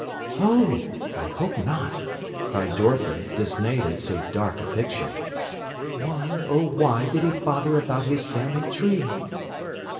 "Oh, I hope not!" cried Dorothy, dismayed at so dark a picture. "Why, oh why, did he bother about his family tree?"